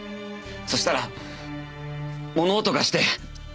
そしたら物音がして。